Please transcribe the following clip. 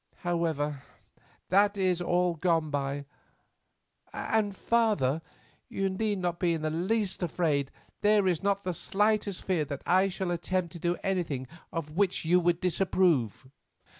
However, that is all gone by, and, father, you need not be in the least afraid; there is not the slightest fear that I shall attempt to do anything of which you would disapprove."